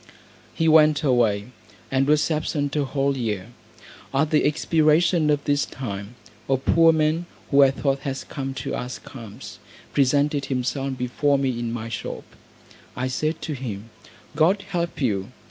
He went away, and was absent a whole year. At the expiration of this time, a poor man, who I thought had come to ask alms, presented himself before me in my shop. I said to him, "God help you."